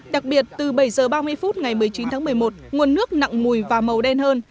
đặc biệt từ bảy h ba mươi phút ngày một mươi chín tháng một mươi một nguồn nước nặng mùi và màu đen hơn